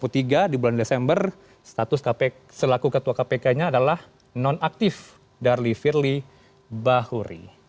untuk saat ini dua ribu dua puluh tiga di bulan desember status selaku ketua kpk nya adalah non aktif darli firly bahuri